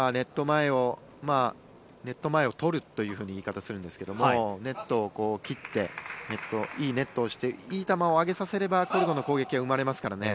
ネット前を取るという言い方をするんですがネットを切っていいネットをしていい球を上げさせればコルドンの攻撃が生まれますからね。